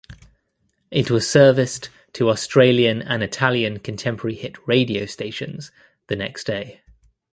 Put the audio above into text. It was serviced to Australian and Italian contemporary hit radio stations the next day.